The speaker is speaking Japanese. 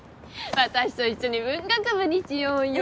私と一緒に文学部にしようよ。